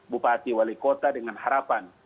bupati wali kota dengan harapan